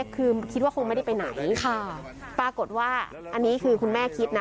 คือคิดว่าคงไม่ได้ไปไหนปรากฏว่าอันนี้คือคุณแม่คิดนะ